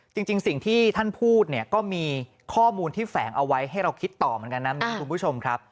จริงสิ่งที่ท่านพูดเนี่ยก็มีข้อมูลที่แฝงเอาไว้ให้เราคิดต่อเหมือนกันนะมิ้วคุณผู้ชมครับ